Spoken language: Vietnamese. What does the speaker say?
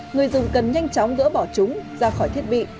người dùng cần nhanh chóng gỡ bỏ chúng ra khỏi thiết bị